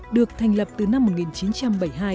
được thành lập từ năm một nghìn chín trăm bảy mươi hai